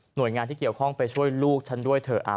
โดยงานที่เกี่ยวข้องไปช่วยลูกฉันด้วยเถอะ